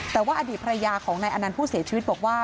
แต่ว่าอดีตภรรยาของนายอนันต์ผู้เสียชีวิตบอกว่า